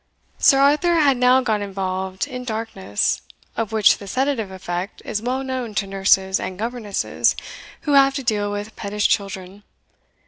Sir Arthur had now got involved in darkness, of which the sedative effect is well known to nurses and governesses who have to deal with pettish children.